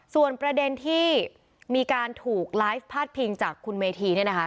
ส่วนประเด็นที่มีการถูกไลฟ์พาดพิงจากคุณเมธีเนี่ยนะคะ